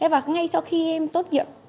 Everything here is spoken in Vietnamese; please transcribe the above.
và ngay sau khi em tốt nghiệp